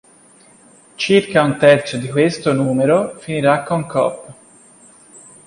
Circa un terzo di questo numero finirà con Coop.